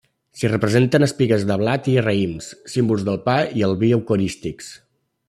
S’hi representen espigues de blat i raïms, símbols del pa i el vi eucarístics.